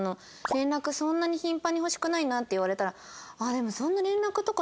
連絡そんなに頻繁に欲しくないなって言われたらああでもそんな連絡とかする？